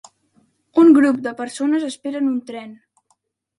Un grup de persones esperen un tren.